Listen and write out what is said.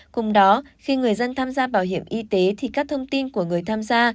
cùng đó khi người dân tham gia bảo hiểm y tế thì các thông tin của người tham gia